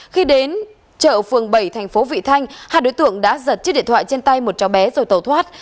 khi đến chợ phường bảy thành phố vị thanh hai đối tượng đã giật chiếc điện thoại trên tay một cháu bé rồi tẩu thoát